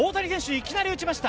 いきなり打ちました。